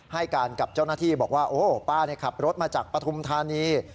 ให้การกับเจ้าหน้าที่บอกว่าโอ้ป้าขับรถมาจากปฐุมธานี